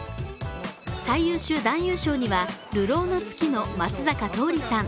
最優秀男優賞には「流浪の月」の松坂桃李さん。